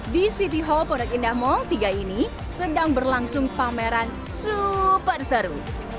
di city hall pondok indah mall tiga ini sedang berlangsung pameran super seru